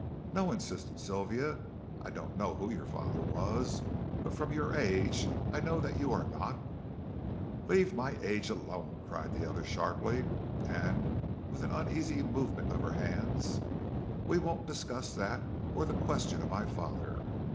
"No," insisted Sylvia. "I don't know who your father was. But from your age, I know that you are not " "Leave my age alone," cried the other sharply, and with an uneasy movement of her hands; "we won't discuss that, or the question of my father.